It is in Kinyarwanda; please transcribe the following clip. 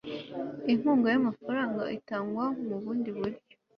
inkunga y'amafaranga itangwa mu bundi buryo